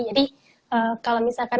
jadi kalau misalkan